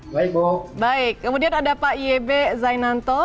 baik baik kemudian ada pak ieb zainanto